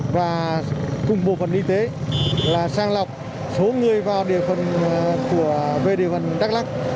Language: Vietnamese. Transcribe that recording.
và cùng bộ phần y tế là sang lọc số người vào địa phận về địa phận đắk lắc